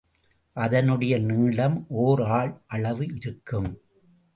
அதனுடைய நீளம் ஓர் ஆள் அளவு இருக்கும்.